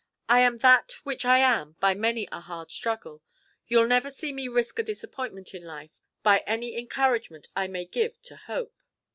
I am that which I am by many a hard struggle; you 'll never see me risk a disappointment in life by any encouragement I may give to hope.'